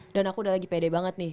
dan aku udah lagi pede banget nih